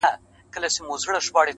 سلده ګان که هوښیاران دي فکر وړي-